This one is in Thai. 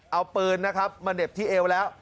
เอาปืนนะครับมาเหน็บที่เอวแล้ว